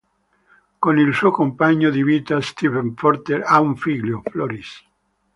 Con il suo compagno di vita Steven Porter ha un figlio, Floris.